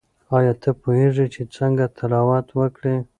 آیا ته پوهیږې چې څنګه تلاوت وکړې؟